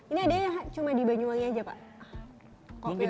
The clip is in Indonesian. ini cuma di banyuwangi saja pak